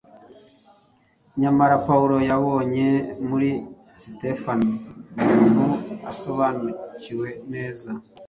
Nyamara Pawulo yabonye muri Sitefano umuntu usobanukiwe neza